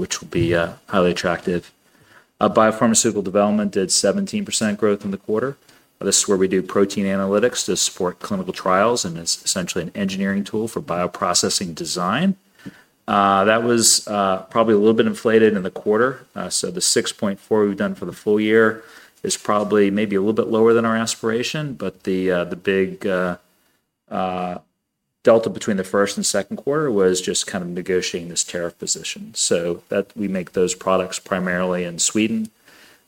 Which will be highly attractive. Biopharmaceutical development did 17% growth in the quarter. This is where we do protein analytics to support clinical trials and is essentially an engineering tool for bioprocessing design. That was probably a little bit inflated in the quarter. The 6.4% we have done for the full year is probably maybe a little bit lower than our aspiration, but the big delta between the first and second quarter was just kind of negotiating this tariff position. We make those products primarily in Sweden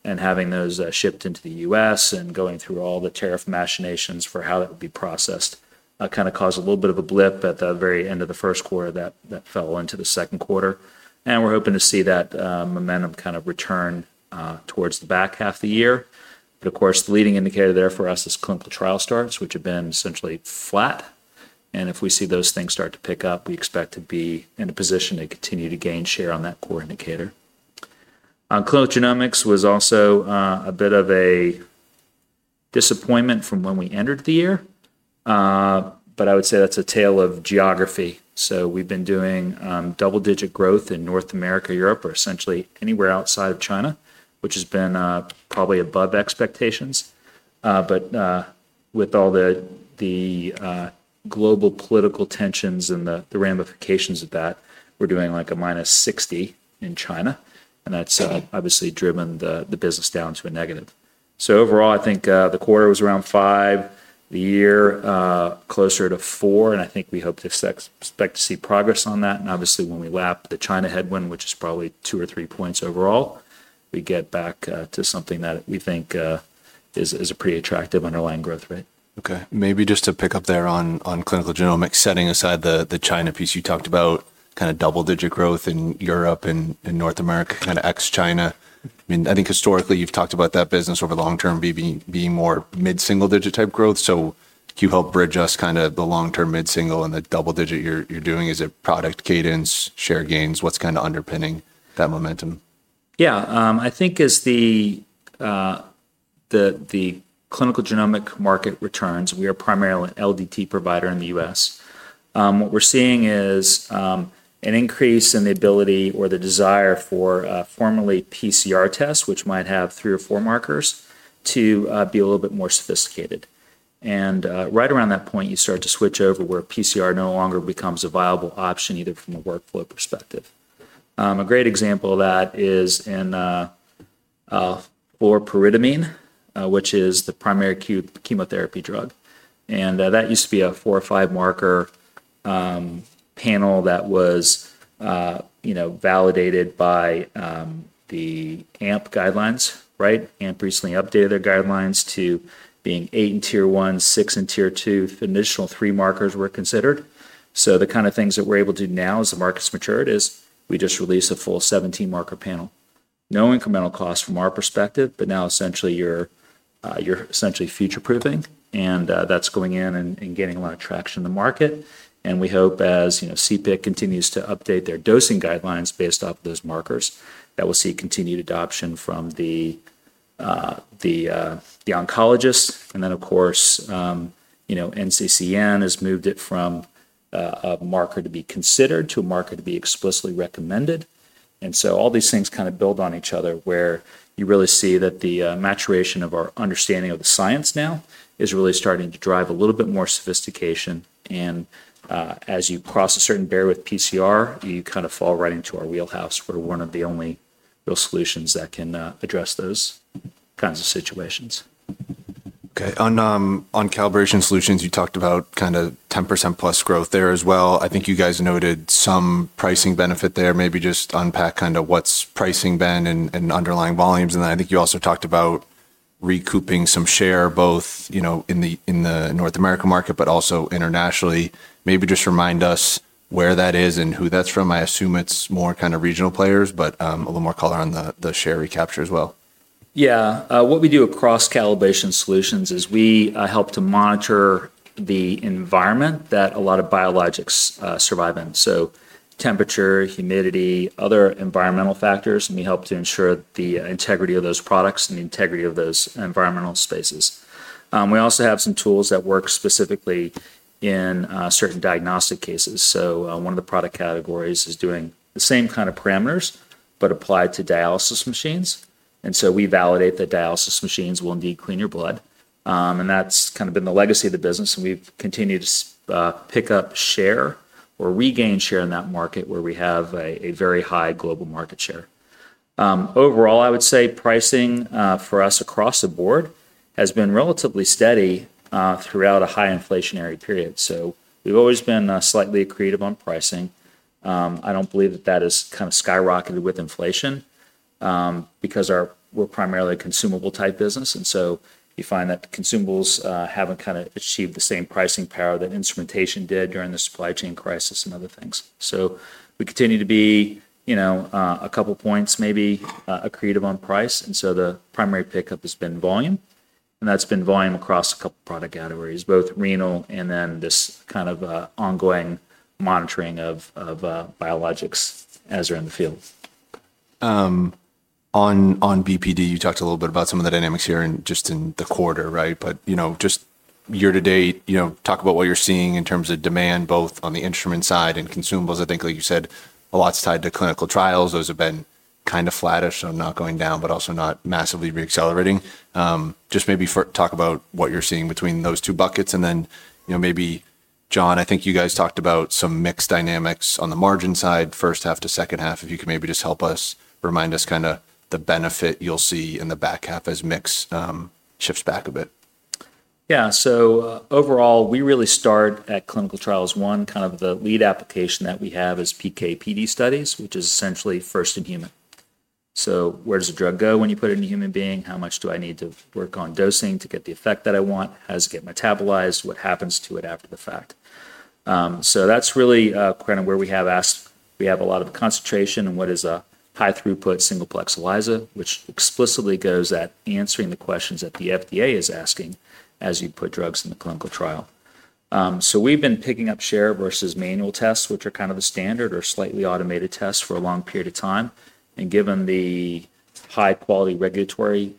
and having those shipped into the U.S. and going through all the tariff machinations for how that would be processed kind of caused a little bit of a blip at the very end of the first quarter that fell into the second quarter. We are hoping to see that momentum kind of return towards the back half of the year. Of course, the leading indicator there for us is clinical trial starts, which have been essentially flat. If we see those things start to pick up, we expect to be in a position to continue to gain share on that core indicator. Clinical genomics was also a bit of a disappointment from when we entered the year, but I would say that's a tale of geography. We have been doing double-digit growth in North America, Europe, or essentially anywhere outside of China, which has been probably above expectations. With all the global political tensions and the ramifications of that, we're doing like a minus 60% in China, and that's obviously driven the business down to a negative. Overall, I think the quarter was around 5%, the year closer to 4%, and I think we hope to expect to see progress on that. Obviously, when we lap the China headwind, which is probably two or three points overall, we get back to something that we think is a pretty attractive underlying growth rate. Okay. Maybe just to pick up there on clinical genomics, setting aside the China piece you talked about, kind of double-digit growth in Europe and North America, kind of ex-China. I mean, I think historically you've talked about that business over the long term being more mid-single digit type growth. Can you help bridge us kind of the long term mid-single and the double digit you're doing? Is it product cadence, share gains, what's kind of underpinning that momentum? Yeah. I think as the clinical genomics market returns, we are primarily an LDT provider in the U.S. What we're seeing is an increase in the ability or the desire for formerly PCR tests, which might have three or four markers, to be a little bit more sophisticated. Right around that point, you start to switch over where PCR no longer becomes a viable option either from a workflow perspective. A great example of that is in for pemetrexed, which is the primary chemotherapy drug. That used to be a four or five marker panel that was validated by the AMP guidelines, right? AMP recently updated their guidelines to being eight in tier one, six in tier two if initial three markers were considered. The kind of things that we're able to do now as the market's matured is we just release a full 17 marker panel. No incremental cost from our perspective, but now essentially you're essentially future-proofing, and that's going in and getting a lot of traction in the market. We hope as CPIC continues to update their dosing guidelines based off of those markers, that we'll see continued adoption from the oncologists. Of course, NCCN has moved it from a marker to be considered to a marker to be explicitly recommended. All these things kind of build on each other where you really see that the maturation of our understanding of the science now is really starting to drive a little bit more sophistication. As you cross a certain barrier with PCR, you kind of fall right into our wheelhouse for one of the only real solutions that can address those kinds of situations. Okay. On calibration solutions, you talked about kind of 10% plus growth there as well. I think you guys noted some pricing benefit there. Maybe just unpack kind of what's pricing been and underlying volumes. I think you also talked about recouping some share both in the North America market, but also internationally. Maybe just remind us where that is and who that's from. I assume it's more kind of regional players, but a little more color on the share recapture as well. Yeah. What we do across calibration solutions is we help to monitor the environment that a lot of biologics survive in. Temperature, humidity, other environmental factors, and we help to ensure the integrity of those products and the integrity of those environmental spaces. We also have some tools that work specifically in certain diagnostic cases. One of the product categories is doing the same kind of parameters, but applied to dialysis machines. We validate that dialysis machines will indeed clean your blood. That's kind of been the legacy of the business, and we've continued to pick up share or regain share in that market where we have a very high global market share. Overall, I would say pricing for us across the board has been relatively steady throughout a high inflationary period. We've always been slightly creative on pricing. I don't believe that that has kind of skyrocketed with inflation because we're primarily a consumable type business. You find that consumables haven't kind of achieved the same pricing power that instrumentation did during the supply chain crisis and other things. We continue to be a couple points maybe creative on price. The primary pickup has been volume, and that's been volume across a couple product categories, both renal and then this kind of ongoing monitoring of biologics as they're in the field. On BPD, you talked a little bit about some of the dynamics here and just in the quarter, right? Just year to date, talk about what you're seeing in terms of demand both on the instrument side and consumables. I think, like you said, a lot's tied to clinical trials. Those have been kind of flattish, so not going down, but also not massively reaccelerating. Just maybe talk about what you're seeing between those two buckets. Maybe, John, I think you guys talked about some mixed dynamics on the margin side, first half to second half. If you can maybe just help us remind us kind of the benefit you'll see in the back half as mix shifts back a bit. Yeah. So overall, we really start at clinical trials. One, kind of the lead application that we have is PK/PD studies, which is essentially first in human. Where does the drug go when you put it in a human being? How much do I need to work on dosing to get the effect that I want? How does it get metabolized? What happens to it after the fact? That's really kind of where we have a lot of concentration and what is a high-throughput single-plex ELISA, which explicitly goes at answering the questions that the FDA is asking as you put drugs in the clinical trial. We've been picking up share versus manual tests, which are kind of the standard or slightly automated tests for a long period of time. Given the high-quality regulatory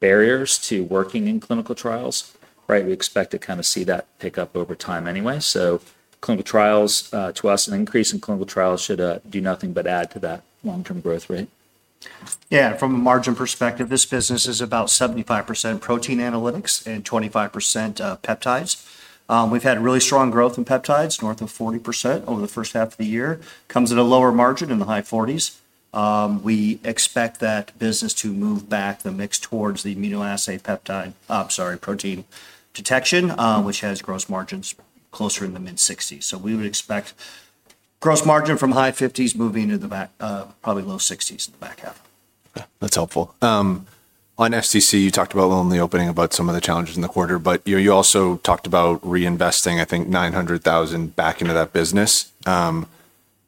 barriers to working in clinical trials, right, we expect to kind of see that pick up over time anyway. Clinical trials to us, an increase in clinical trials should do nothing but add to that long-term growth rate. Yeah. From a margin perspective, this business is about 75% protein analytics and 25% peptides. We've had really strong growth in peptides, north of 40% over the first half of the year. Comes at a lower margin in the high 40s. We expect that business to move back the mix towards the amino acid peptide, I'm sorry, protein detection, which has gross margins closer in the mid-60s. We would expect gross margin from high 50s moving into the back, probably low 60s in the back half. Okay. That's helpful. On FCC, you talked about in the opening about some of the challenges in the quarter, but you also talked about reinvesting, I think, $900,000 back into that business.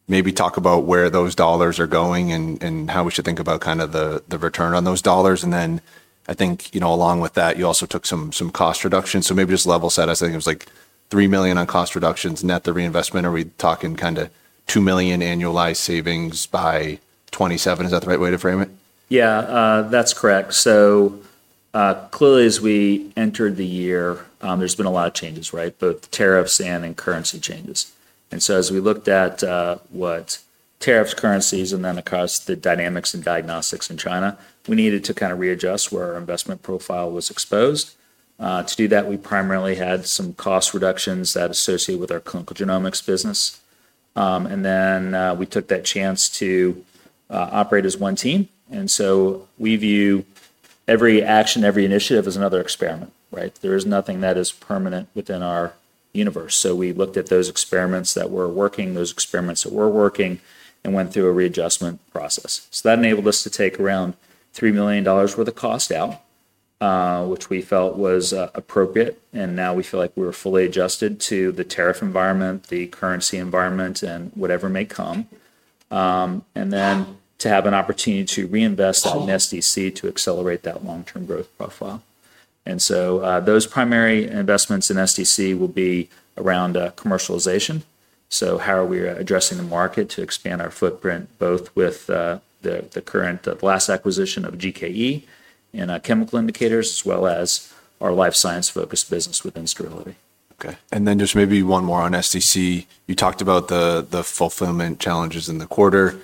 Maybe talk about where those dollars are going and how we should think about kind of the return on those dollars. I think along with that, you also took some cost reductions. Maybe just level set us. I think it was like $3 million on cost reductions, net the reinvestment, are we talking kind of $2 million annualized savings by 2027. Is that the right way to frame it? Yeah, that's correct. Clearly, as we entered the year, there's been a lot of changes, right? Both tariffs and in currency changes. As we looked at what tariffs, currencies, and then across the dynamics and diagnostics in China, we needed to kind of readjust where our investment profile was exposed. To do that, we primarily had some cost reductions that associate with our clinical genomics business. We took that chance to operate as one team. We view every action, every initiative as another experiment, right? There is nothing that is permanent within our universe. We looked at those experiments that were working, those experiments that were working, and went through a readjustment process. That enabled us to take around $3 million worth of cost out, which we felt was appropriate. We feel like we were fully adjusted to the tariff environment, the currency environment, and whatever may come. To have an opportunity to reinvest in SDC to accelerate that long-term growth profile. Those primary investments in SDC will be around commercialization. How are we addressing the market to expand our footprint both with the current last acquisition of GKE and chemical indicators, as well as our life science-focused business within sterility. Okay. Maybe just one more on SDC. You talked about the fulfillment challenges in the quarter.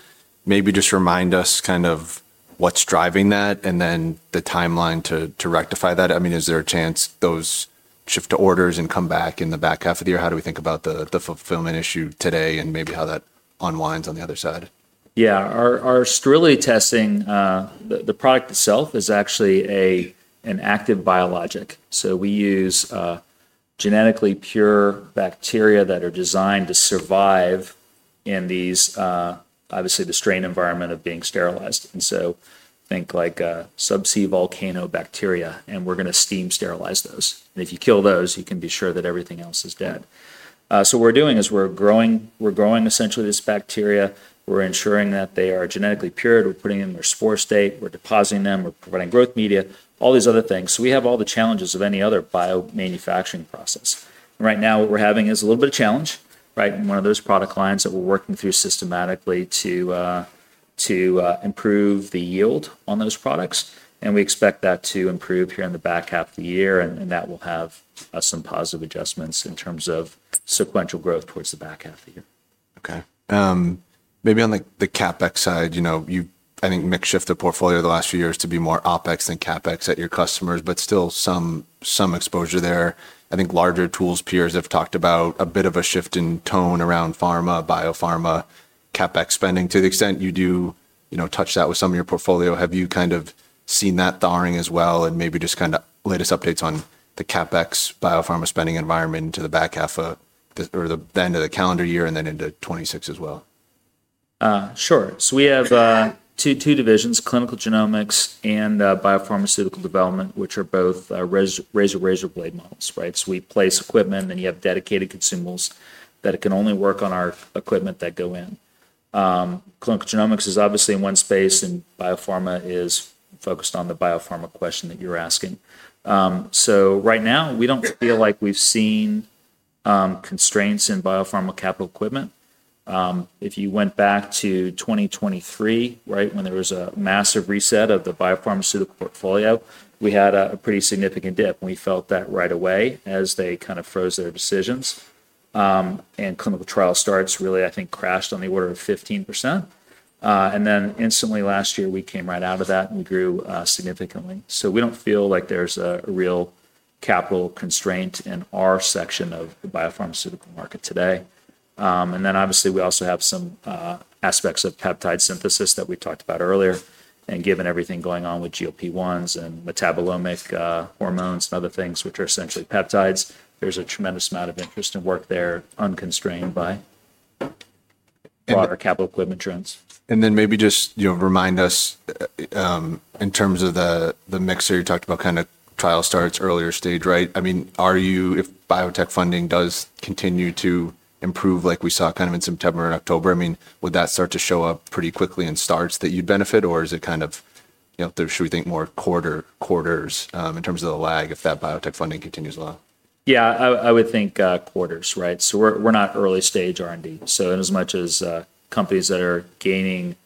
Maybe just remind us kind of what's driving that and then the timeline to rectify that. I mean, is there a chance those shift to orders and come back in the back half of the year? How do we think about the fulfillment issue today and maybe how that unwinds on the other side? Yeah. Our sterility testing, the product itself is actually an active biologic. We use genetically pure bacteria that are designed to survive in these, obviously, the strain environment of being sterilized. Think like subsea volcano bacteria, and we're going to steam sterilize those. If you kill those, you can be sure that everything else is dead. What we're doing is we're growing essentially this bacteria. We're ensuring that they are genetically pure. We're putting them in their spore state. We're depositing them. We're providing growth media, all these other things. We have all the challenges of any other biomanufacturing process. Right now, what we're having is a little bit of challenge, right? One of those product lines that we're working through systematically to improve the yield on those products. We expect that to improve here in the back half of the year, and that will have some positive adjustments in terms of sequential growth towards the back half of the year. Okay. Maybe on the CapEx side, I think mix shift the portfolio the last few years to be more OpEx than CapEx at your customers, but still some exposure there. I think larger tools peers have talked about a bit of a shift in tone around pharma, biopharma, CapEx spending. To the extent you do touch that with some of your portfolio, have you kind of seen that thawing as well? Maybe just kind of latest updates on the CapEx biopharma spending environment into the back half of or the end of the calendar year and then into 2026 as well. Sure. We have two divisions, clinical genomics and biopharmaceutical development, which are both razor razor blade models, right? We place equipment, and then you have dedicated consumables that can only work on our equipment that go in. Clinical genomics is obviously in one space, and biopharma is focused on the biopharma question that you're asking. Right now, we don't feel like we've seen constraints in biopharma capital equipment. If you went back to 2023, right, when there was a massive reset of the biopharmaceutical portfolio, we had a pretty significant dip. We felt that right away as they kind of froze their decisions. Clinical trial starts really, I think, crashed on the order of 15%. Instantly last year, we came right out of that, and we grew significantly. We don't feel like there's a real capital constraint in our section of the biopharmaceutical market today. Obviously, we also have some aspects of peptide synthesis that we talked about earlier. Given everything going on with GLP-1s and metabolomic hormones and other things, which are essentially peptides, there's a tremendous amount of interest and work there unconstrained by our capital equipment trends. Maybe just remind us in terms of the mixer you talked about, kind of trial starts earlier stage, right? I mean, if biotech funding does continue to improve like we saw kind of in September and October, I mean, would that start to show up pretty quickly in starts that you'd benefit, or is it kind of, should we think more quarters in terms of the lag if that biotech funding continues along? Yeah, I would think quarters, right? We're not early stage R&D. In as much as companies that are gaining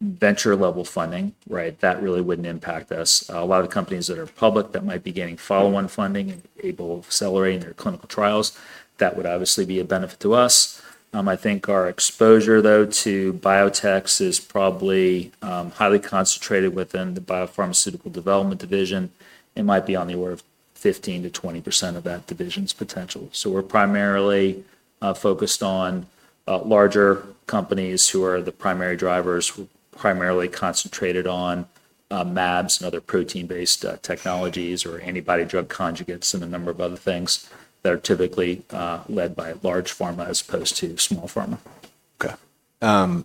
venture-level funding, that really wouldn't impact us. A lot of the companies that are public that might be getting follow-on funding and able to accelerate in their clinical trials, that would obviously be a benefit to us. I think our exposure, though, to biotechs is probably highly concentrated within the biopharmaceutical development division. It might be on the order of 15%-20% of that division's potential. We're primarily focused on larger companies who are the primary drivers, primarily concentrated on MABs and other protein-based technologies or antibody drug conjugates and a number of other things that are typically led by large pharma as opposed to small pharma. Okay.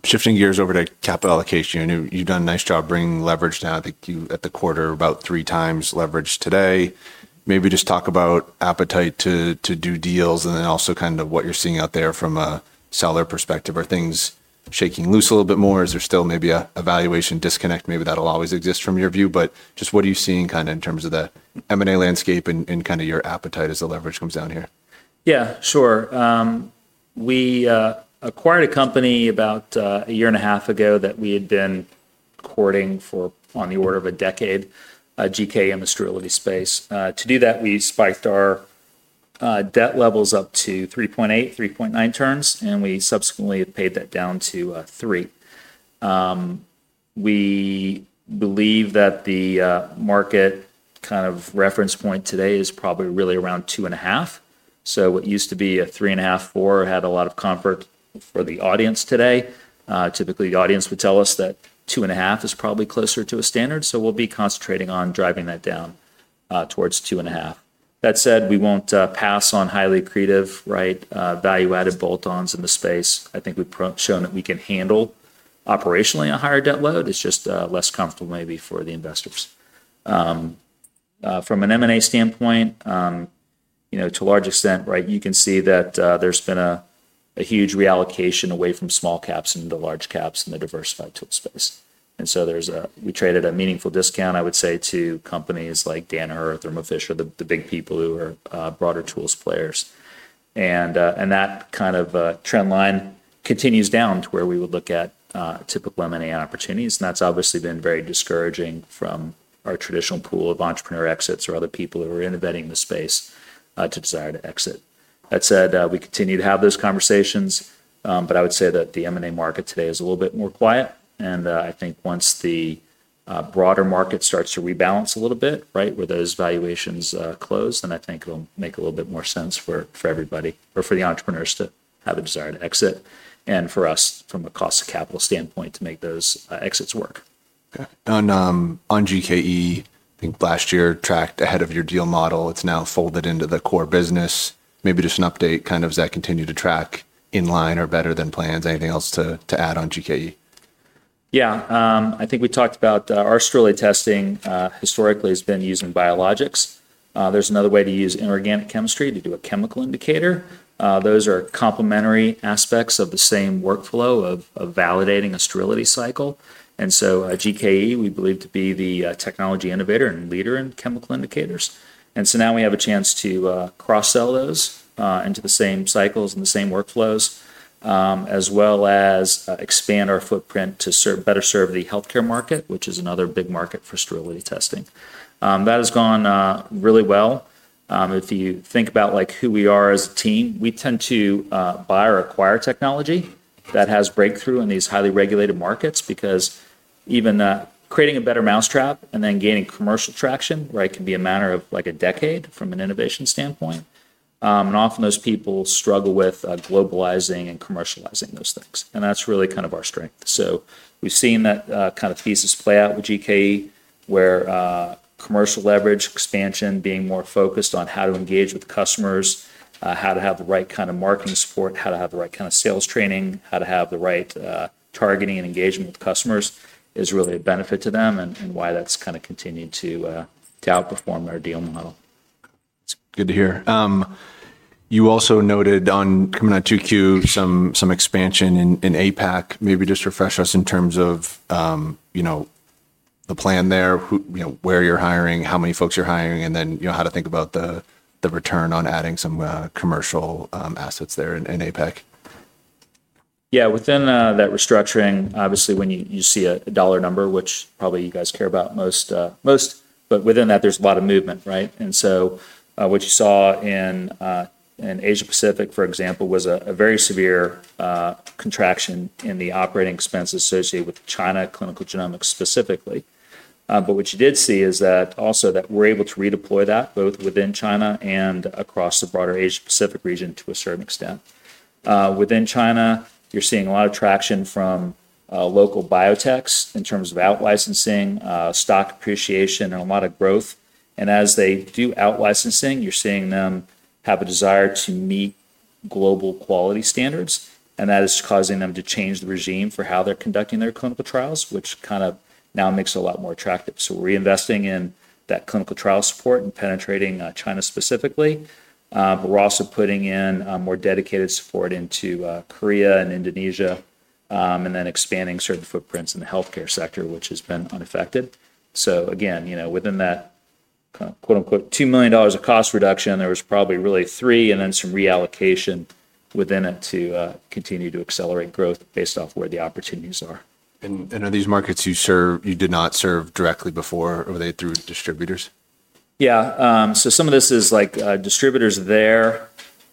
Shifting gears over to capital allocation. You've done a nice job bringing leverage down. I think you at the quarter about three times leverage today. Maybe just talk about appetite to do deals and then also kind of what you're seeing out there from a seller perspective. Are things shaking loose a little bit more? Is there still maybe a valuation disconnect? Maybe that'll always exist from your view, but just what are you seeing kind of in terms of the M&A landscape and kind of your appetite as the leverage comes down here? Yeah, sure. We acquired a company about a year and a half ago that we had been courting for on the order of a decade, GKE, a sterility space. To do that, we spiked our debt levels up to 3.8, 3.9 turns, and we subsequently have paid that down to three. We believe that the market kind of reference point today is probably really around two and a half. What used to be a three and a half, four had a lot of comfort for the audience today. Typically, the audience would tell us that two and a half is probably closer to a standard. We will be concentrating on driving that down towards two and a half. That said, we will not pass on highly creative, right, value-added bolt-ons in the space. I think we have shown that we can handle operationally a higher debt load. It's just less comfortable maybe for the investors. From an M&A standpoint, to a large extent, right, you can see that there's been a huge reallocation away from small caps into the large caps and the diversified tool space. We traded at a meaningful discount, I would say, to companies like Danaher or Thermo Fisher, the big people who are broader tools players. That kind of trend line continues down to where we would look at typical M&A opportunities. That has obviously been very discouraging from our traditional pool of entrepreneur exits or other people who are innovating the space to desire to exit. That said, we continue to have those conversations, but I would say that the M&A market today is a little bit more quiet. I think once the broader market starts to rebalance a little bit, right, where those valuations close, then I think it'll make a little bit more sense for everybody or for the entrepreneurs to have a desire to exit and for us from a cost of capital standpoint to make those exits work. Okay. On GKE, I think last year tracked ahead of your deal model. It's now folded into the core business. Maybe just an update kind of as that continue to track in line or better than plans. Anything else to add on GKE? Yeah. I think we talked about our sterility testing historically has been using biologics. There's another way to use inorganic chemistry to do a chemical indicator. Those are complementary aspects of the same workflow of validating a sterility cycle. GKE, we believe to be the technology innovator and leader in chemical indicators. Now we have a chance to cross-sell those into the same cycles and the same workflows, as well as expand our footprint to better serve the healthcare market, which is another big market for sterility testing. That has gone really well. If you think about who we are as a team, we tend to buy or acquire technology that has breakthrough in these highly regulated markets because even creating a better mousetrap and then gaining commercial traction, right, can be a matter of like a decade from an innovation standpoint. Often those people struggle with globalizing and commercializing those things. That is really kind of our strength. We have seen that kind of thesis play out with GKE, where commercial leverage expansion, being more focused on how to engage with customers, how to have the right kind of marketing support, how to have the right kind of sales training, how to have the right targeting and engagement with customers, is really a benefit to them and why that has kind of continued to outperform our deal model. That's good to hear. You also noted on coming on 2Q some expansion in APAC. Maybe just refresh us in terms of the plan there, where you're hiring, how many folks you're hiring, and then how to think about the return on adding some commercial assets there in APAC. Yeah. Within that restructuring, obviously, when you see a dollar number, which probably you guys care about most, within that, there's a lot of movement, right? What you saw in Asia-Pacific, for example, was a very severe contraction in the operating expenses associated with China clinical genomics specifically. What you did see is that also that we're able to redeploy that both within China and across the broader Asia-Pacific region to a certain extent. Within China, you're seeing a lot of traction from local biotechs in terms of outlicensing, stock appreciation, and a lot of growth. As they do outlicensing, you're seeing them have a desire to meet global quality standards. That is causing them to change the regime for how they're conducting their clinical trials, which kind of now makes it a lot more attractive. We're reinvesting in that clinical trial support and penetrating China specifically. We're also putting in more dedicated support into Korea and Indonesia and then expanding certain footprints in the healthcare sector, which has been unaffected. Again, within that "$2 million of cost reduction," there was probably really three and then some reallocation within it to continue to accelerate growth based off where the opportunities are. Are these markets you did not serve directly before, or were they through distributors? Yeah. Some of this is like distributors there.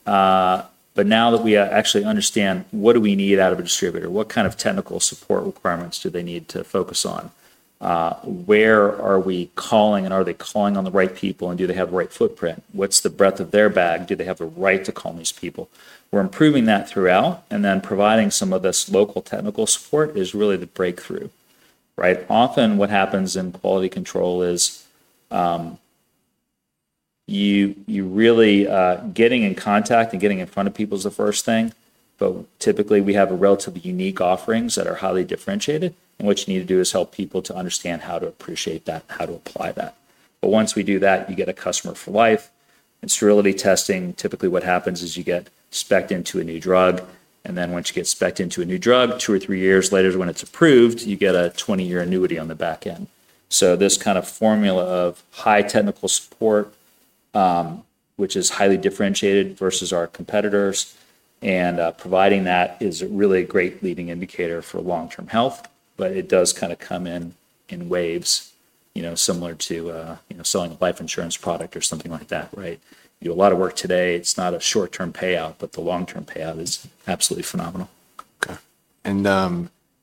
Now that we actually understand what do we need out of a distributor, what kind of technical support requirements do they need to focus on? Where are we calling, and are they calling on the right people, and do they have the right footprint? What's the breadth of their bag? Do they have the right to call these people? We're improving that throughout. Providing some of this local technical support is really the breakthrough, right? Often what happens in quality control is you're really getting in contact and getting in front of people is the first thing. Typically, we have relatively unique offerings that are highly differentiated, and what you need to do is help people to understand how to appreciate that and how to apply that. Once we do that, you get a customer for life. Sterility testing, typically what happens is you get specced into a new drug. Then once you get specced into a new drug, two or three years later, when it's approved, you get a 20-year annuity on the back end. This kind of formula of high technical support, which is highly differentiated versus our competitors, and providing that is really a great leading indicator for long-term health. It does kind of come in waves, similar to selling a life insurance product or something like that, right? You do a lot of work today. It's not a short-term payout, but the long-term payout is absolutely phenomenal. Okay.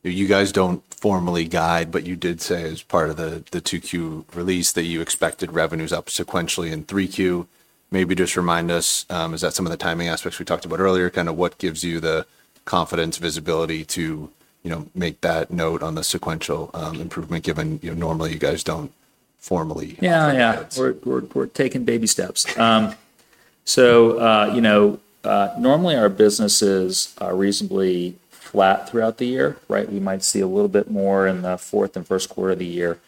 You guys do not formally guide, but you did say as part of the 2Q release that you expected revenues up sequentially in 3Q. Maybe just remind us, is that some of the timing aspects we talked about earlier, kind of what gives you the confidence, visibility to make that note on the sequential improvement, given normally you guys do not formally. Yeah, yeah. We're taking baby steps. Normally our businesses are reasonably flat throughout the year, right? We might see a little bit more in the fourth and first quarter of the year.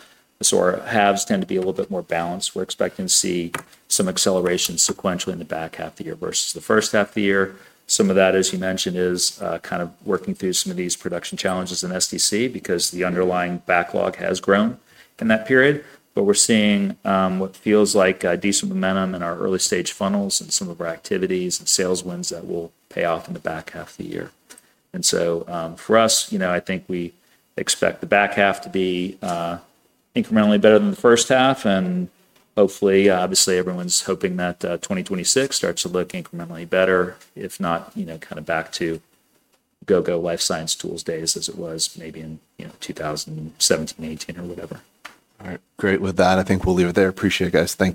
Our haves tend to be a little bit more balanced. We're expecting to see some acceleration sequentially in the back half of the year versus the first half of the year. Some of that, as you mentioned, is kind of working through some of these production challenges in SDC because the underlying backlog has grown in that period. We're seeing what feels like decent momentum in our early stage funnels and some of our activities and sales wins that will pay off in the back half of the year. For us, I think we expect the back half to be incrementally better than the first half. Hopefully, obviously, everyone's hoping that 2026 starts to look incrementally better, if not kind of back to go-go life science tools days as it was maybe in 2017, 2018, or whatever. All right. Great. With that, I think we'll leave it there. Appreciate it, guys. Thank you.